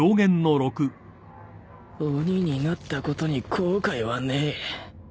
鬼になったことに後悔はねえ